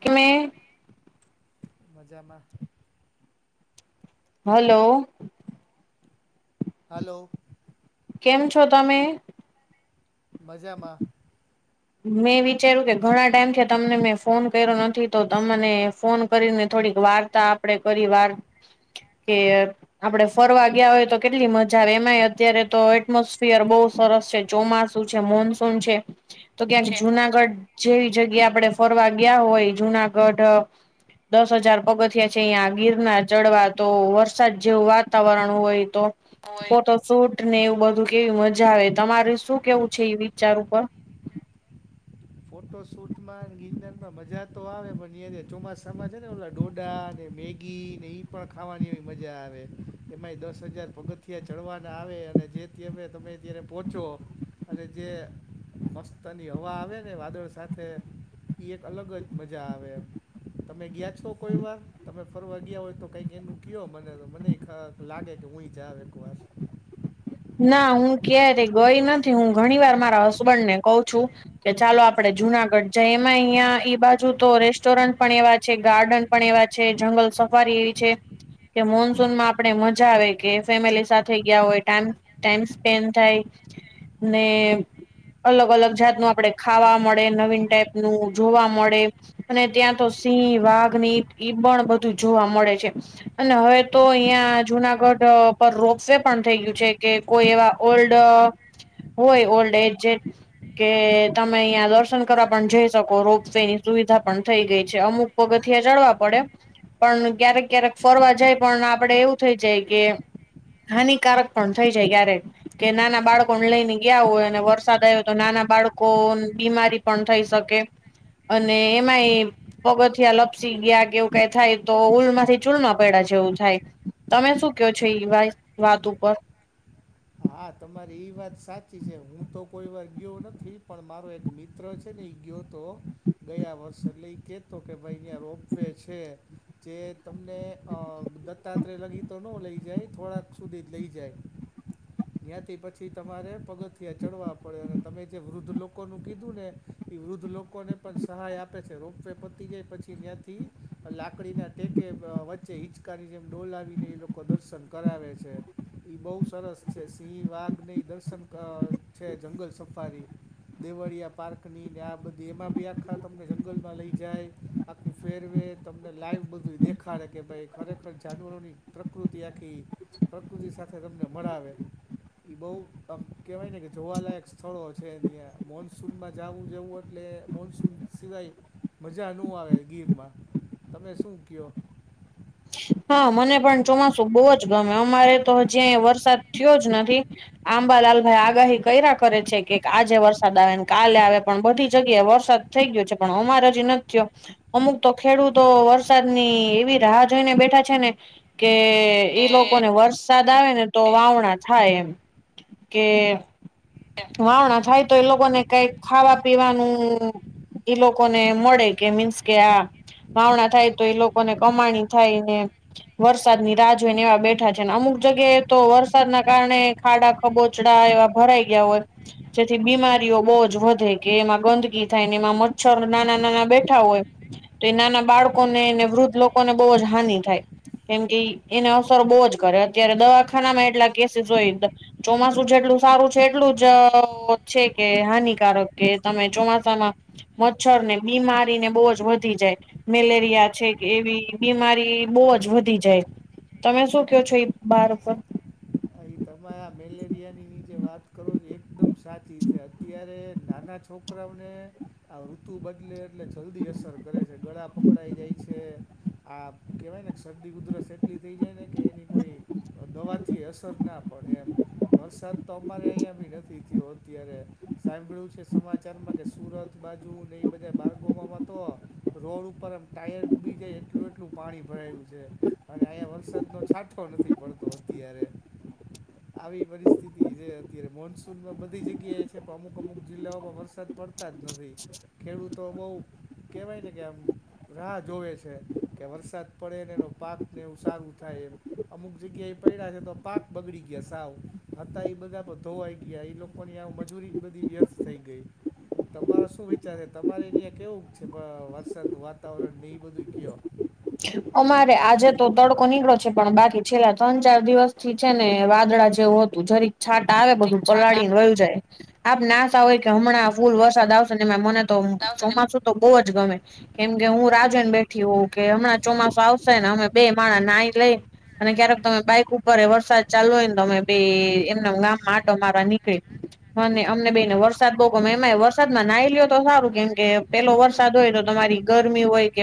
કેમે. મજામાં. Hello hello કેમ છો તમે? મજામાં. મેં વિચાર્યું કે ઘણા ટાઈમ થી તમને મેં ફોન કર્યો નથી તો તને ફોન કરીને થોડીક વાર. તા આપડે પરિવાર કે. આપડે ફરવા ગયા હોય તો કેટલી મજા આવે એમાંય અત્યારે તો એટમોસફિયર બહુ સરસ છે. ચોમાસુ છે મોનસૂન છે તો ક્યાંક જુનાગઢ જેવી જગ્યા આપડે ફરવા ગયા હોય જુનાગઢ દસ હજાર પગથિયા છે અહીંયા ગિરના ચડવા તો વરસાદ જેવું વાતાવરણ હોય તો. ફોટો શૂટ ને એવું બધું કેવી મજા આવે તમારે શું કેવું છે એ વિચાર ઉપર. ફોટો શૂટ માં ગિરનારમાં મજા તો આવે પણ ચોમાસા માં છે ને ઓલા ડોડા અને મેગી ઘી ને એ પણ ખાવાની એવી મજા આવે એમાં એ દસ હજાર પગથિયા ચડવાના આવે અને જે તમે અયારે પહોંચો અને જે મસ્તની હવા આવે ને વાદળ સાથે ઈ એક અલગ જ મજા આવે તમે ગયા છો કોઈ વાર તમે ફરવા ગયા હોય તો કઈક એનું કયો મને મને લાગે કે હું એ જાવ એક વાર ના હું ક્યારે ગઈ નથી હું ઘણી વાર મારા હસબન્ડ ને કઉ છું. કે ચાલો આપડે જુનાગઢ જ એમાં અહિયાં એઈ બાજુ તો રેસ્ટોરન્ટ પણ એવા છે ગાર્ડન પણ એવા છે જંગલ સફારી એવી છે. કે મોનસૂન માં આપણે મજા આવે કે ફેમિલી સાથે ગયા હોય ટાઈમ ટાઈમ સ્પેન્ડ થાય ને અલગ અલગ જાતનું આપડે ખાવા મળે નવીન ટાઈપનું જોવા મળે અને ત્યાં તો સિંહ વાઘની ઈ પણ બધું જોવા મળે છે. અને હવે તો અહિયાં જુનાગઢ પર રોપ વે પણ થઈ ગયું છે. કે કોઈ એવા ઓલ્ડ હોય ઓલ્ડ એજ જે કે તમે અહિયાં દર્શન કરવા પણ જઈ શકો રોપ વે ની સુવિધા પણ થઈ ગઈ છે અમુક પગથિયા ચડવા પડે પણ ક્યારેક ક્યારેક ફરવા જાય પણ આપડે એવું થઈ જાય કે હાનિકારક પણ થઈ જાય ક્યારે કે નાના બાળકોને લઈને ગયા હોય અને વરસાદ આવ્યો તો નાના બાળકો ન બીમારી પણ થઈ શકે અને એમાં એ પગથિયા લપસી ગયા કેવું કઈ થાય તો ઉલમાંથી ચૂલમાં પડા જેવું થાય તમે શું કયો છો એ વા વાત ઉપર હા તમારી એ વાત સાચી છે હું તો કોઈ વાર ગયો નથી પણ મારો એક મિત્ર છે ને એ ગયો તો ગયા વર્ષ લઈ કે તો કે ભાઈ અહીંયા રોપવેે છે જે તમને અ દત્તાત્રેય લગી તો નો લઈ જાય થોડાક સુધી જ લઈ જાય જ્ઞાતિ પછી તમારે પગથીયા ચડવા પડે અને તમે જે વૃદ્ધ લોકોનું કીધું ને એ વૃદ્ધ લોકોને પણ સહાય આપે છે રોપ વે પતી જાય પછી ત્યાંથી લાકડીના કે કે વચ્ચે હિચકાની જેમ ડોલ આવીને એ લોકો દર્શન કરાવે છે એ બહુ સરસ છે સિંહ વાઘની દર્શન છે જંગલ સફારી દેવળિયા પાર્ક ની ને આ બધી એમાં બી આખા તમને જંગલ માં લઈ જાય આ આખું ફેરવે તમને લાઈવ બધું દેખાડે કે ભાઈ ખરેખર જાનવરોની પ્રકૃતિ આખી પ્રકૃતિ સાથે તમને મળાવે. બહુ આમ કેવાય ને કે જોવાલાયક સ્થળો છે અહિયા મોનસૂનમાં જાવું જેવું એટલે મોનસૂન સિવાય મજા નો આવે ગીરમાં તમે શું કયો હા મને પણ ચોમાસું બહુ જ ગમે અમારે તો હજી અહીયા વરસાદ થયો જ નથી. આંબાલાલ ભાઈ આગાહી ક્યા કરે છે કે આજે વરસાદ આવે કાલે આવે પણ બધી જગ્યાએ વરસાદ થઈ ગયું છે પણ અમાર હજી નથી થયો અમુક તો ખેડૂતો વરસાદની એવી રાહ જોઈને બેઠા છે ને કે ઈ લોકોને વર્ષ વરસાદ આવે ને તો વાવણા થાય એમ કે વાવણા થાય તો એ લોકોને કાઈક ખાવા પીવાનું એ લોકોને મળે કે મીન્સ કે આ વાવણા થાય તો એ લોકોને કમાણી થાયને વરસાદની રાહ જોઈને એવા બેઠા છેને અમુક જગ્યાએ તો વરસાદના કારણે ખાડા કબોચડા એવા ભરાઈ ગયા હોય જેથી બીમારીઓ બહુ જ વધે કે એમાં ગંદકી થાય એમાં મચ્છર નાના નાના બેઠા હોય તો એ નાના બાળકોને એને વૃદ્ધ લોકોને બહુ જ હાનિ થાય. કેમ કે એને અવસરો બહું જ કરે અત્યારે દવાખાનામાં એટલા કેસીસ હોય ચોમાસું જેટલું સારું છે એટલું જ છે કે હાનિકારક કે તમે ચોમાસામાં મચ્છર ને બીમારીને બહુ જ વધી જાય મેલેરિયા છે કે એવી બીમારી બહું જ વધી જાય તમે શું કો છો એ બાર ઉપર તમે આ મેલેરિયાની જે વાત કરો એકદમ સાચી છે અત્યારે નાના છોકરાઓને આ ઋતુ બદલે એટલે જલ્દી અસર કરે છે ગળા પકડાઈ જાય છે. આ કહેવાય ને કે શરદી ઉધરસ એટલી થઈ જાય ને કે એની કોઈ દવાથી અસર ના. પણ એમ વરસાદ તો અમારે અહિયાં ભી નથી થયો અત્યારે સાંભળ્યું છે. સમાચારમાં કે સુરત બાજુને એ બધા બાર્કોમાંમાં તો રોડ ઉપર આમ ટાયર ડૂબી જાય એટલું એટલું પાણી ભરાયું છે અને અહીંયા વરસાદ નો છાઠો નથી પડતો. નો અત્યારે આવી પરિસ્થિતિ જે અત્યારે મોન્સૂનમાં બધી જગ્યાએ છે પણ અમુક અમુક જિલ્લાઓમાં વરસાદ પડતાજ નથી ખેડૂતો બહુ કેવાય ને કે આમ રાહ જોવે છે કે વરસાદ પડે ને એનો પાક ને એવું સારું થાય એમ. અમુક જગ્યા એ પડ્યા છે તો પાક બગડી ગયા સાવ હતા એ બધા ધોવાઈ ગયા એ લોકોની આવ મજૂરી બધી વ્યસ્ત થઈ ગઈ. તમારા શું વિચારે તમારે અહિયાં કેવું છે વરસાદ નુ વાતાવરણ ને એ બધું કયો. અમારે આજે તો તડકો નીકળો છે પણ બાકી છેલ્લા ત્રણ ચાર દિવસ થી છે ને વાદળા જ જેવું હતું જરીક છાંટ આવે બધું ઠીકઠાક પલાળીને વયું જાય આપ નાતા હોય કે હમણાં ફૂલ વરસાદ આવશે ને એ મને તો આવશે ચોમાસું તો બહુજ ગમે કેમ કે હું રા જોઈને બેઠી હોઉં કે હમણાં આવશે ને અમે બે માણા નાઈ લઈ. અને ક્યારેક તમે બાઈક ઉપર એ વરસાદ ચાલો હોય ને તમે બે એમના આમ ગામમાં આટો મારા નીકળી. મને અમને બે ને વરસાદ બહુ એમાં વરસાદમાં નાહિ લીયો તો સારું કેમ કે પેલો વરસાદ હોય તો તમારી ગરમી હોય કે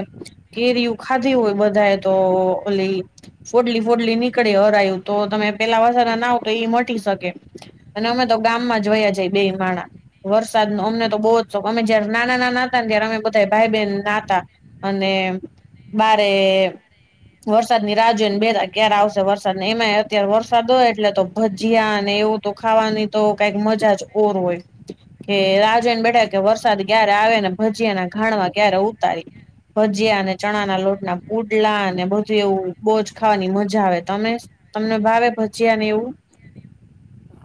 કેરિયુ ખાધી હોય બધાએ તો ઓલી ફોડલી ફોડલી નીકળે હરાયું તો તમે પેલા વરસાદ ના આવ તો એ મટી શકે. અને અમે તો ગામ માં જોયા જાય બે માણા. વરસાદ નો અમને તો બહુજ શોખ અમે જયારે નાના નાના હતા ને ત્યારે અમે બધા ભાઈ બેન નાતા. અને. બારે. વરસાદ ની રાહ જોઈ ને બેતા ક્યારે આવશે વરસાદ ને એમાં અત્યારે વરસાદ હોય એટલે તો ભજીયા અને એવું. તો ખાવાની તો કઈક મજાજ ઓર હોય. કે રાહ જોઇને બેઠા કે વરસાદ ક્યારે આવે ને ભજીયાના ઘાણવા ક્યારે ઉતારી. ભજીયા આને. ચણા ના લોટના પુડલા અને બધું એવું બોજ ખાવાની મજા આવે તમે. તમને ભાવે ભજીયા ને એવું.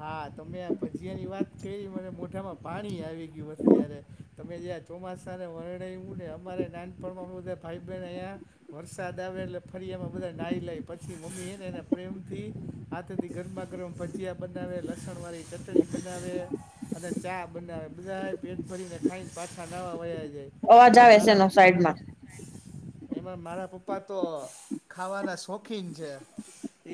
હા તમે ભજીયા ની વાત કરી મને મોઢામાં પાણી આવી ગયું અત્યારે. તમે જ્યાં ચોમાસાને વર્ણ્યું ને અમારે નાનપણમાં બધા ભાઈ બહેન અહીંયા. વરસાદ આવે એટલે ફરી એમાં બધા નાહી લાય પછી મમ્મી એને એના પ્રેમ થી. હાથે થી ગરમા ગરમ ભજીયાં. બનાવે લસણ વાળી ચટણી બનાવે અને ચા બનાવે બધા. પેટ ભરીને ખાઈને પાછા લવા વયા જાય એમ અવાજ આવે છે મારા એનો પપ્પાને. સાઈડમાં એમાં મારા પપ્પા તો ખાવાના શોખીન છે.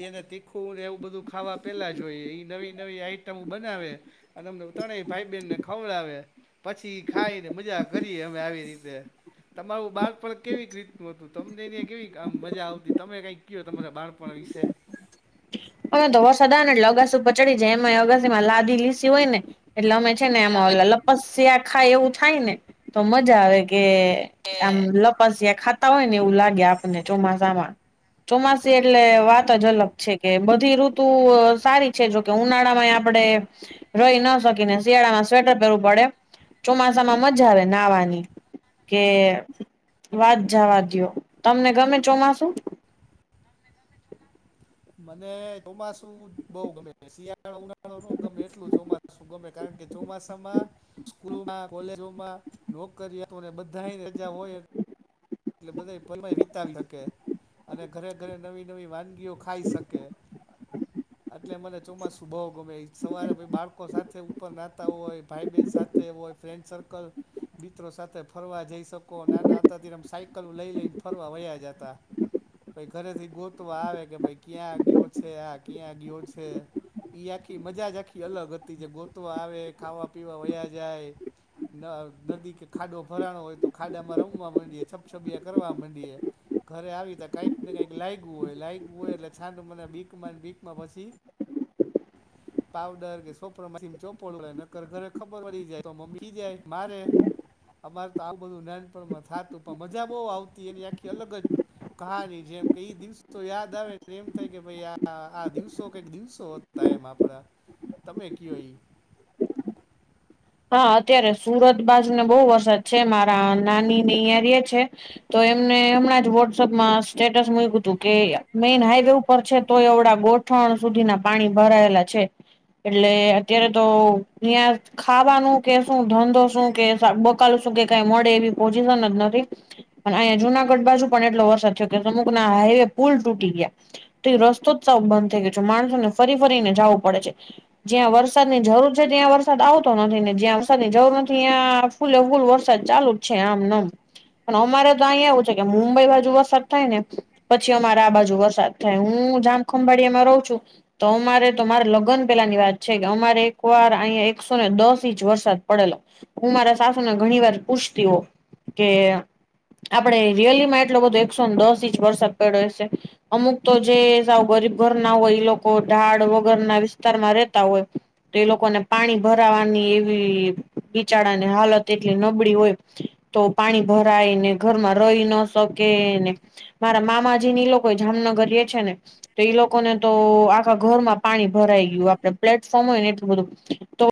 એને તીખુંને એવું બધું ખાવા પેલાજ. તો એ ઇ નવી નવી આઈટમ બનાવે અને અમને ત્રણેય ભાઈ બહેનને ખવડાવે. પછી ખાઈને મજા કરીએ અમે આવી રીતે. તમારું બાળ પણ કેવી રીતનું હતું તમને એ કેવી અ મજા આવતી તમે કઈ. કયો તમારા બાળપણ વિશે. અમે તો વસાદને એટલે અગાસ ઉપર ચડી જાય એ અગાસી માં લાદી લીસી હોય ને. એટલે અમે છે ને એટલે એમાં અમે લપસ્યા ખાય એવું થાય ને તો મજા આવે. કે આમ લપાસ્યા ખાતા હોય ને એવું લાગે આપને ચોમાસામાં. ચોમાસે એટલે વાતજ અલગ. છે કે બધી ઋતુ સારી છે જોકે ઉનાળા માં આપડે. રહી ન શકીને શિયાળામાં સ્વેટર પહેરવું પડે ચોમાસામાં મજા આવે નાહવાની. કે વાત જવા દયો તમને ગમે ચોમાસુ. મને ચોમાસુ બઉ ગમે શિયાળાો ઉનાળો નો ગમે એટલું ચોમાસું ગમે. કારણ કે ચોમાસામાં. સ્કૂલમાં કોલેજોમાં નોકરીયાતુ બધા ને રજા હોય. એટલે બધા પર વિતાવી હકે. અને ઘરે ઘરે નવી નવી વાનગીઓ ખાઈ શકે. હા. [unintelligible] એટલે મને ચોમાસું બો ગમે સવારે બાળકો સાથે ઉપર નાહતા હોય ભાઈ બહેન સાથે. એવો હોય ફ્રેન્ડ સર્કલ મિત્રો સાથે ફરવા જઈ શકો ના હતા ધીરમ સાયક. કલ લઈ લઈને ફરવા વયા જતા. પાઈ ઘરેથી ગોતવા આવે કે ભાઈ ક્યાં ગયો છે આ ક્યાં ગયો છે. એ આખી મજાજ આખી અલગ હતી જે ગોતવા આવે ખાવા પીવા વયા જાય. નદી કે ખાડો ભરાણો હોય તો ખાડામાં રમવા માંડીએ છપછબિયા કરવા માંડીયએ. ઘરે આવી ત કઈક ને કઈક લાગું હોય લાગું હોય એટલે છાંડ મને બીક બીકમાં પછી. પાવડર કે સોપરોમાઇન ચોપડ લે નકર ઘરે ખબર પડી જાય તો મમ્મી જાય મારે. અમારે તો આવું બધું નાનપણમાં થતું પણ મજા બહુ આવતી એની આખી અલગજ. કા નની જેમ કઈ દિવસો યાદ આવે એમ થાય કે ભાઈ આ આ દિવસો કઈક દિવસો હતો. એમડા તમે કયો ય. હા અત્યારે સુરત બાજુ ને બહુ વરસાદ છે મારા નાની ને અહીં રે છે. તો એમને હમણાં જ વોટ્સઅપમાં સ્ટેટસ મૂ્યું હતું કે મેઈન હાઈવે ઉપર છે તો એવડા બોટ. પણ સુધી ના પાણી ભરાયેલા છે એટલે અત્યારે તો ત્યાં. ખાવાનું કે શું ધંધો શું કે શ બકાલ શું કે કઈ મળે એવી પોઝિશનજ નથી. પણ અહીંયા જુનાગઢ બાજુ પણ એટલો વરસાદ થયો કે સમમુકના હાઈવે પુલ તૂટી ગયા. તો રસ્તો જ સવ બંધ થઈ ગયો છે માણસો ને ફરી ફરીને જવું પડે છે. જ્યાં વરસાદ ની જરૂર છે ત્યાં વરસાદ આવ. નથી ને જ્યાં વરસાદની જરૂર નથી ત્યાં ફૂલે ફૂલ વરસાદ ચાલુજ છે આમનેમ. પણ અમારે તો અહીંયા એવું છે કે મુંબઈ બાજુ વરસાદ થાય ને. પછી અમારા આ બાજુ વરસાદ થાય હું જામ ખંભાળિયામાં રહું છું. તો અમારે તો મારે લગ્ન પેલાની વાત છે કે અમારે એક વાર અહીં એક. ો ને દસ ઈંચ વરસાદ પડેલો હું મારા સાસુને ઘણી વાર પૂછતી હો. કે આપણેે રિયલીમાં એટલો બધો એકસોને દસ ઇંચ વરસાદ પડ્યો છે. અમુક તો જે સા ગરીબ ઘર ના હોય એ લોકો ઢાડ વગર ના વિસ્તારમાં રહેેતા હોય. તો એલોકોને પાણી. ભરાવાની એવી બિચારની હાલત એટલી નબળી હોય. તો પાણી ભરાય ને ઘરમાં રહી ન શકેને. મારા મામાજી લોકો જામનગર એ છે ને. તો ઈ લોકોને તો આખા ઘરમાં પાણી ભરાઈ ગયું આપડે પ્લેટફોર્મ હોય ને એટલું બધું તો.